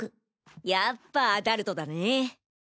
やっぱアダルトだねぇ。